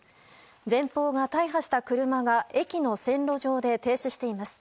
前方が大破した車が駅の線路上で停止しています。